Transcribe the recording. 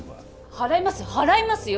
払いますよ払いますよ